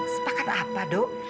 sepakat apa do